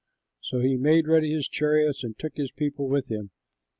So he made ready his chariot and took his people with him.